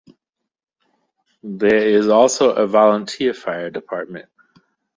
There is also a volunteer fire department.